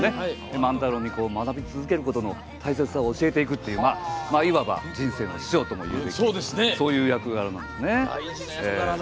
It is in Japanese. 万太郎に学び続けることの大切さを教えていくといういわば人生の師匠ともいうべきそういう役柄なんですね。